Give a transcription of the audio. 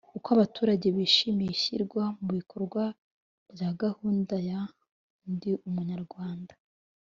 Uko abaturage bishimiye ishyirwa mu bikorwa rya gahunda ya Ndi umunyarwanda